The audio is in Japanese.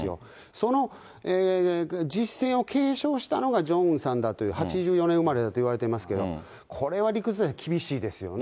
その実践を継承したのが、ジョンウンさんだという、８４年生まれだといわれてますけど、これは理屈じゃ厳しいですよね。